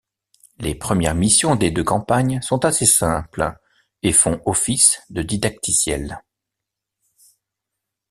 Les premières missions des deux campagnes sont assez simples et font office de didacticiel.